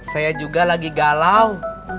saya juga lagi galau